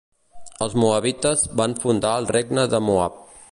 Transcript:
Els moabites van fundar el Regne de Moab.